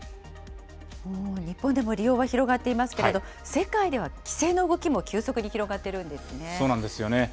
日本でも利用は広がっていますけれども、世界では規制の動きそうなんですよね。